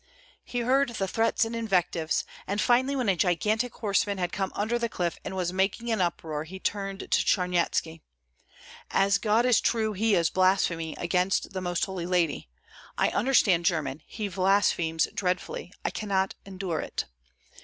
He heard the threats and invectives, and finally when a gigantic horseman had come under the cliff and was making an uproar he turned to Charnyetski, "As God is true, he is blaspheming against the Most Holy Lady. I understand German; he blasphemes dreadfully! I cannot endure it!"